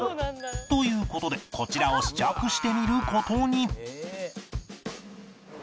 という事でこちらを試着してみる事に